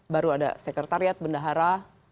baru ada sekretariat bendahara